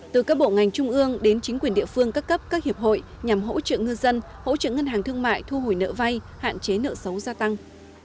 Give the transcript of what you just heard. từ các bộ ngành trung ương đến chính quyền địa phương các cấp các hiệp hội nhằm hỗ trợ ngư dân hỗ trợ ngân hàng thương mại thu hủy nợ vay hạn chế nợ xấu gia tăng